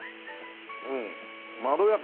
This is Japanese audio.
うんまろやか。